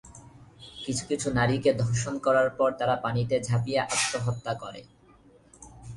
কিছু কিছু নারীকে ধর্ষণ করার পর তারা পানিতে ঝাঁপিয়ে আত্মহত্যা করে।